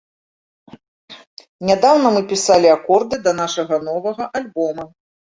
Нядаўна мы пісалі акорды да нашага новага альбома.